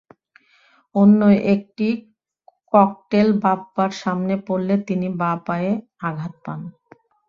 অন্য একটি ককটেল বাপ্পার সামনে পড়লে তিনি বাঁ পায়ে আঘাত পান।